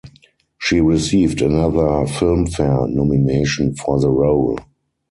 She received another Filmfare nomination for the role.